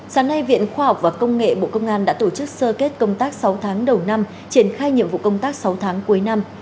sáng nay viện khoa học và công nghệ bộ công an đã tổ chức sơ kết công tác sáu tháng đầu năm triển khai nhiệm vụ công tác sáu tháng cuối năm